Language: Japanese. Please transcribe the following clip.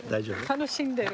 楽しんでる。